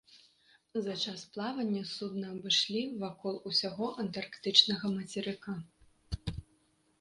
За час плавання судна абышлі вакол усяго антарктычнага мацерыка.